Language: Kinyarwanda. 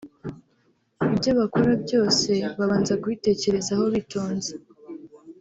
ibyo bakora byose babanza kubitekerezaho bitonze